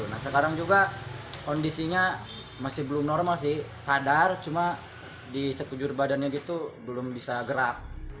nah sekarang juga kondisinya masih belum normal sih sadar cuma di sekujur badannya gitu belum bisa gerak